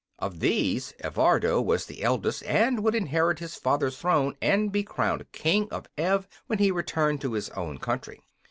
Of these Evardo was the eldest and would inherit his father's throne and be crowned King of Ev when he returned to his own country.